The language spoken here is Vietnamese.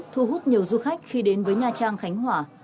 thu hút nhiều du khách khi đến với nha trang khánh hòa